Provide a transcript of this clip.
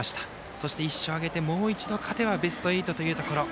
そして１勝を挙げて、もう一度勝てばベスト８というところ。